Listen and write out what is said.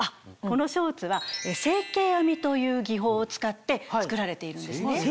このショーツは成型編みという技法を使って作られているんですね。